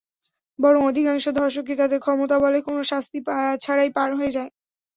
বরং অধিকাংশ ধর্ষকই তাদের ক্ষমতাবলে কোনো শাস্তি ছাড়াই পার পেয়ে যায়।